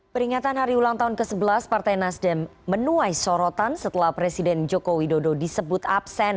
peringatan hari ulang tahun ke sebelas partai nasdem menuai sorotan setelah presiden joko widodo disebut absen